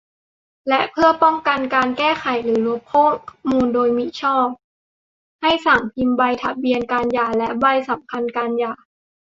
และเพื่อป้องกันการแก้ไขหรือลบข้อมูลโดยมิชอบ ให้สั่งพิมพ์ใบทะเบียนการหย่าและใบสำคัญการหย่า